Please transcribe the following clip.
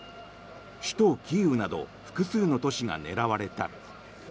首都キーウなど複数の都市が狙われた。